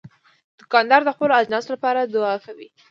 دوکاندار د خپلو اجناسو لپاره دعا کوي.